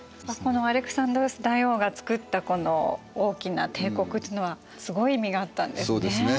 アレクサンドロス大王が作ったこの大きな帝国というのはすごい意味があったんですね。